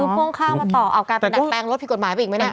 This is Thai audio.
ซื้อพ่วงข้างมาต่อเอาการแดดแปลงรถภิกษ์กฎหมายพออีกไหมเนี่ย